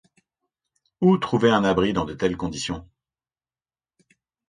Où trouver un abri dans de telles conditions?